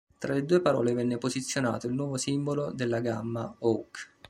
Tra le due parole venne posizionato il nuovo simbolo della gamma Hawk.